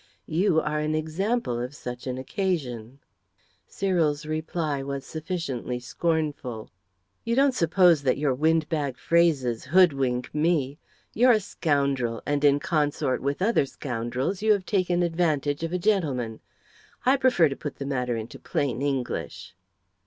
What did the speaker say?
You are an example of such an occasion." Cyril's reply was sufficiently scornful. "You don't suppose that your wind bag phrases hoodwink me. You're a scoundrel; and, in consort with other scoundrels, you have taken advantage of a gentleman. I prefer to put the matter into plain English."